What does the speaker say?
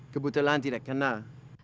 kebetulan tidak kenal